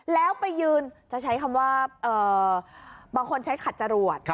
แล้วไปยืนบางคนจะใช้คำว่าขัดจรวด